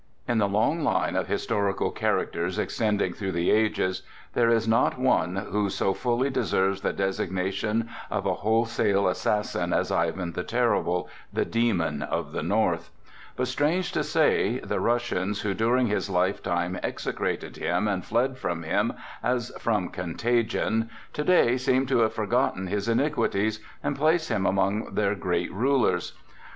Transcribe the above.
In the long line of historical characters extending through the ages there is not one who so fully deserves the designation of a wholesale assassin as Ivan the Terrible, the demon of the North. But strange to say, the Russians, who during his lifetime execrated him and fled from him as from contagion, to day seem to have forgotten his iniquities, and place him among their great rulers.